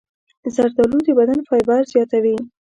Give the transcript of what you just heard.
زردالو د بدن فایبر زیاتوي.